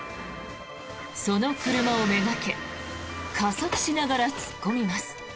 その車をめがけ加速しながら突っ込みます。